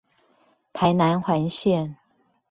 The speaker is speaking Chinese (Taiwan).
台南環線